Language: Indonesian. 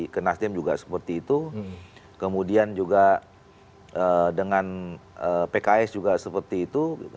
kemudian kemudian pks juga seperti itu